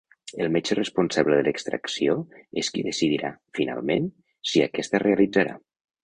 El metge responsable de l'extracció és qui decidirà, finalment, si aquesta es realitzarà.